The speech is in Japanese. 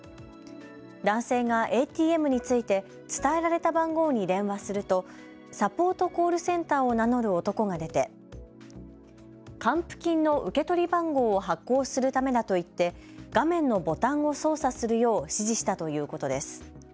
男性がＡＴＭに着いて伝えられた番号に電話するとサポートコールセンターを名乗る男が出て還付金の受け取り番号を発行するためだと言って画面のボタンを操作するよう指示したということです。